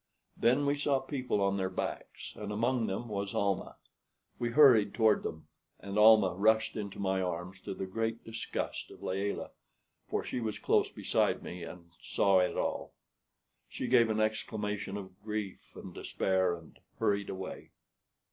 Then we saw people on their backs, and among them was Almah. We hurried toward them, and Almah rushed into my arms, to the great disgust of Layelah, for she was close beside me and saw it all. She gave an exclamation of grief and despair, and hurried away.